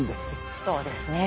そうですね。